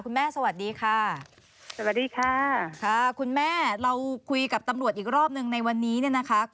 สวัสดีค่ะสวัสดีค่ะค่ะคุณแม่เราคุยกับตำรวจอีกรอบหนึ่งในวันนี้เนี่ยนะคะ